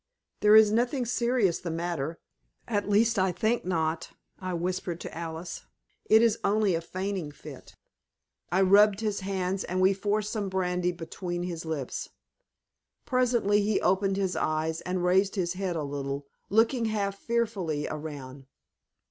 "There is nothing serious the matter at least I think not," I whispered to Alice. "It is only a fainting fit." I rubbed his hands, and we forced some brandy between his lips. Presently he opened his eyes, and raised his head a little, looking half fearfully around.